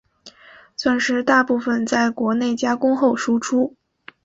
钻石大部份在国内加工后输出。